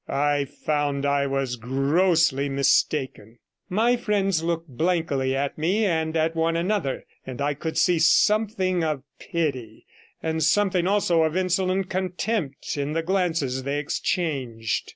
I found I was grossly mistaken; my friends looked blankly at me and at one another, and I could see something of pity, and something also of insolent contempt, in the glances they exchanged.